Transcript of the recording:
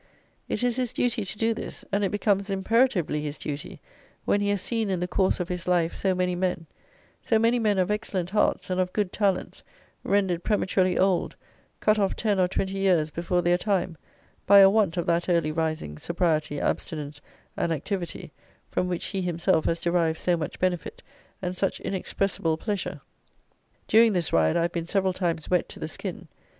It is his duty to do this: and it becomes imperatively his duty, when he has seen, in the course of his life, so many men; so many men of excellent hearts and of good talents, rendered prematurely old, cut off ten or twenty years before their time, by a want of that early rising, sobriety, abstinence and activity from which he himself has derived so much benefit and such inexpressible pleasure. During this ride I have been several times wet to the skin.